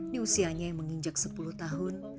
di usianya yang menginjak sepuluh tahun